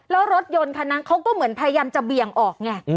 แล้วรถยนต์คันนั้นเขาก็เหมือนพยายามจะเบี่ยงออกไง